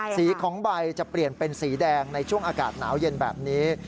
สีของใบจะเปลี่ยนเป็นสีแดงในช่วงอากาศหนาวเย็นแบบนี้